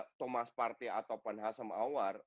tidak ada thomas partey atau van hazem aouar